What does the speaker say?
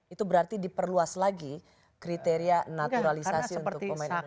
itu berarti diperluas lagi kriteria naturalisasi untuk pemain indonesia